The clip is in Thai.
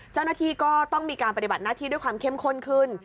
เจ้าหน้าที่ก็ต้องมีการปฏิบัติหน้าที่ด้วยความเข้มข้นขึ้น